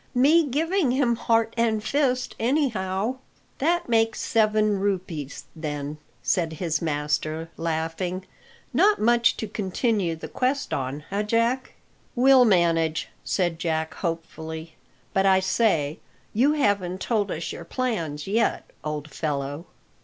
"Me giving him heart and fist, anyhow." "That makes seven rupees, then," said his master, laughing; "not much to continue the quest on, eh, Jack?" "We'll manage," said Jack hopefully. "But, I say, you haven't told us your plans yet, old fellow."